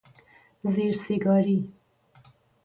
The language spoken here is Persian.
زیر سیگاری